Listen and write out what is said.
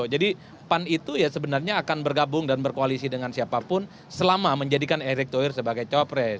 jadi pan itu ya sebenarnya akan bergabung dan berkoalisi dengan siapapun selama menjadikan erick thohir sebagai cowopres